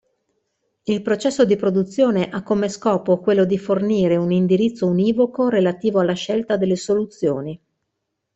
Il processo di produzione ha come scopo quello di fornire un indirizzo univoco relativo alla scelta delle soluzioni.